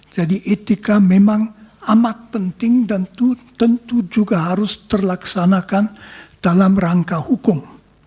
jadi etika memang amat penting dan tentu juga harus terlaksanakan dalam rangka hukum